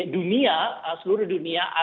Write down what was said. dunia seluruh dunia